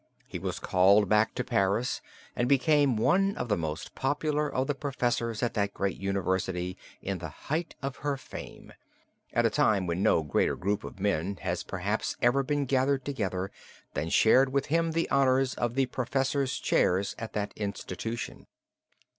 He was called back to Paris and became one of the most popular of the Professors at that great University in the height of her fame, at a time when no greater group of men has perhaps ever been gathered together, than shared with him the honors of the professors' chairs at that institution.